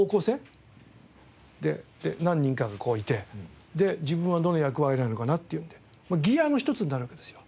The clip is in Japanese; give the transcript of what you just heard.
で何人かがこういて自分はどの役割なのかなっていうのでギアの一つになるわけですよ。